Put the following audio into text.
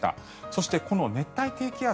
そして、この熱帯低気圧